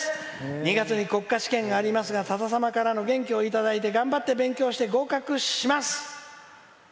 ２月に国家試験がありますがさだ様からの元気をいただいて頑張って勉強して合格します」。